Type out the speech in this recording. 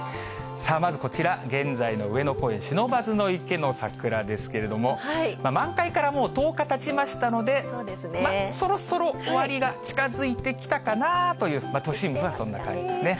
まずこちら、現在の上野公園、不忍池の桜ですけれども、満開からもう１０日たちましたので、そろそろ終わりが近づいてきたかなという、都心部はそんな感じですね。